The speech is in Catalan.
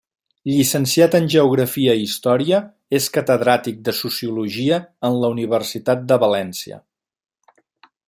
Llicenciat en Geografia i Història, és catedràtic de Sociologia en la Universitat de València.